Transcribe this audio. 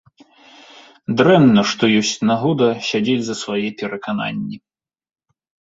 Дрэнна, што ёсць нагода сядзець за свае перакананні.